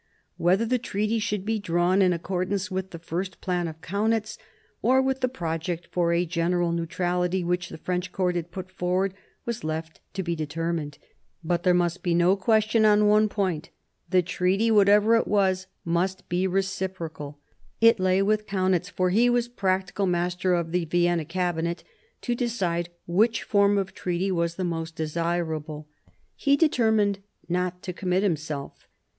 Whether the treaty should be drawn in accordance with the first plan of Kaunitz, or with the project for a general neutrality which the French court had put forward, was left to be determined ; but there must be no question on one point — the treaty, whatever it was, must be reciprocal. It lay with Kaunitz, for he was practical master of the Vienna Cabinet, to decide which form of treaty was the most desirable. He determined not to commit himself.